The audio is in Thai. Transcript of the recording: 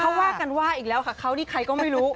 เขาว่ากันว่าอีกแล้วค่ะเขานี่ใครก็ไม่รู้